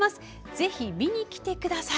ぜひ来てください！」。